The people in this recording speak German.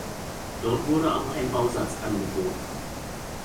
Dort wurde auch ein Bausatz angeboten.